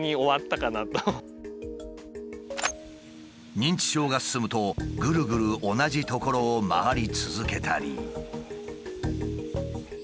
認知症が進むとぐるぐる同じ所を回り続けたり。